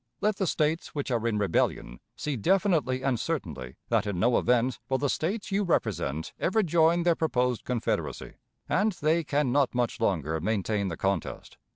Let the States which are in rebellion see definitely and certainly that in no event will the States you represent ever join their proposed confederacy, and they can not much longer maintain the contest.